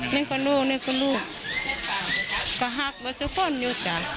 นั่งแป่งหนูก็ห่าดกับสัตว์คนอยู่จ้ะ